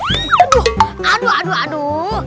aduh aduh aduh aduh